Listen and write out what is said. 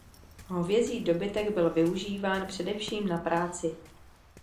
Hovězí dobytek byl využíván především na práci.